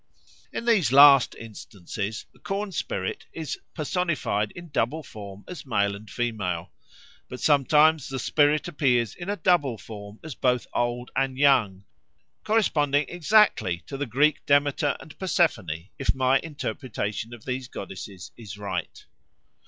In these last instances the corn spirit is personified in double form as male and female. But sometimes the spirit appears in a double female form as both old and young, corresponding exactly to the Greek Demeter and Persephone, if my interpretation of these goddesses is right.